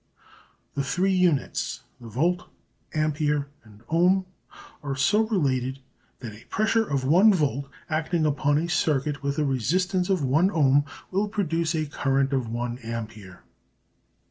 The three units the volt, ampere and ohm are so related that a pressure of one volt acting upon a circuit with a resistance of one ohm will produce a current of one ampere.